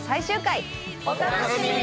お楽しみに！